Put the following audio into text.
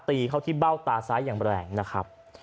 ตีเข้าที่เบ้าตาซ้ายอย่างแรงนะครับ